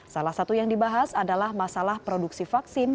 salah satu yang dibahas adalah masalah produksi vaksin